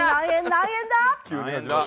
何円だ？